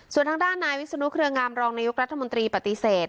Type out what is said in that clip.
ส่วนทางด้านนายวิศนุเครืองามรองนายกรัฐมนตรีปฏิเสธ